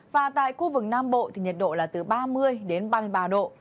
và tại khu vực nam bộ thì nhiệt độ là từ ba mươi đến ba mươi ba độ